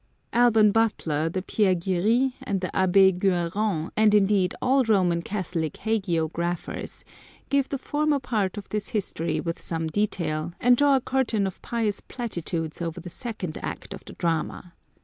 Alban Butler, the Pere Giry, and the Abb£ Gu^rin, and indeed all Roman Catholic hagiographers, 173 Curiosities of Olden Times give the former part of this history with some detail, and draw a curtain of pious platitudes over the second act of the drama.